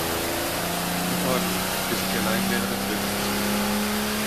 In Ordnung, für sich allein wäre das wirklich zu wenig.